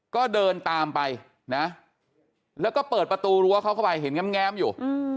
ก็เดินตามไปนะแล้วก็เปิดประตูรั้วเขาเข้าไปเห็นแง้มอยู่